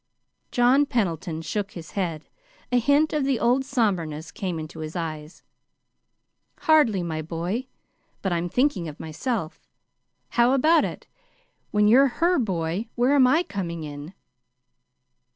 John Pendleton shook his head. A hint of the old somberness came into his eyes. "Hardly, my boy. But I'm thinking of myself. How about it? When you're her boy, where am I coming in?"